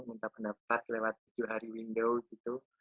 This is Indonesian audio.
minta pendapat lewat tujuh hari window gitu